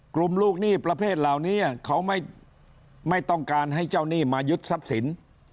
ลูกหนี้ประเภทเหล่านี้เขาไม่ต้องการให้เจ้าหนี้มายึดทรัพย์สิน